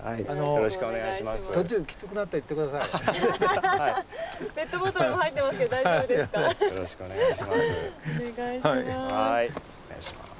よろしくお願いします。